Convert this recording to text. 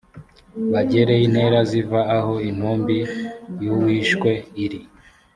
bagere intera ziva aho intumbi y’uwishwe iri